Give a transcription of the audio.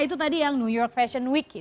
itu tadi yang new york fashion week